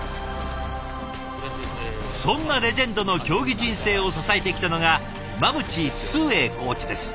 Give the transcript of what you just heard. そんなレジェンドの競技人生を支えてきたのが馬淵崇英コーチです。